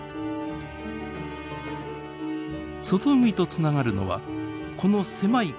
外海とつながるのはこの狭い海峡だけ。